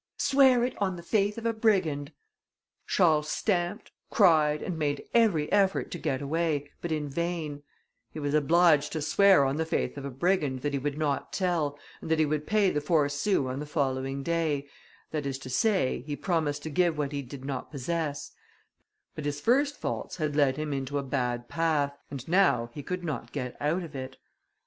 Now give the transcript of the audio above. "Swear it on the faith of a brigand." Charles stamped, cried, and made every effort to get away, but in vain; he was obliged to swear on the faith of a brigand, that he would not tell, and that he would pay the four sous on the following day; that is to say, he promised to give what he did not possess: but his first faults had led him into a bad path, and now he could not get out of it.